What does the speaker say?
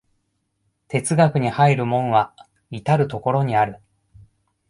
哲学に入る門は到る処にある。